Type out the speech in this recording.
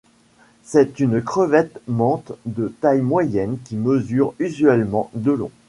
C'est une crevette-mante de taille moyenne, qui mesure usuellement de long.